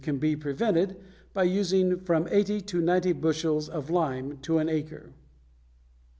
It can be prevented by using from eighty to ninety bushels of lime to an acre.